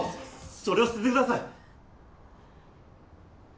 それを捨ててください。